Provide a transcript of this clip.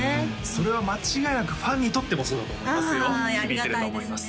それは間違いなくファンにとってもそうだと思いますよ響いてると思います